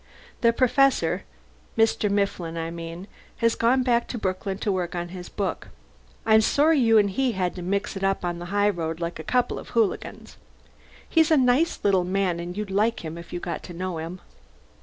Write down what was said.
The Professor (Mr. Mifflin, I mean) has gone back to Brooklyn to work on his book. I'm sorry you and he had to mix it up on the high road like a couple of hooligans. He's a nice little man and you'd like him if you got to know him.